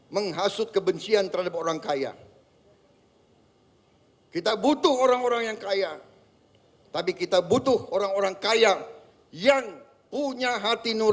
menahan diri dan sopan